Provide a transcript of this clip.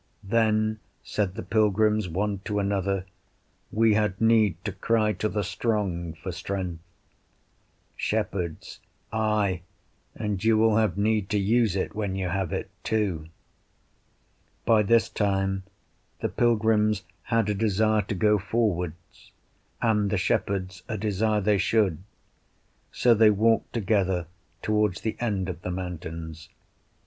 Then said the pilgrims one to another, We had need to cry to the Strong for strength. Shepherds Ay, and you will have need to use it when you have it too. By this time the pilgrims had a desire to go forwards, and the shepherds a desire they should; so they walked together towards the end of the mountains.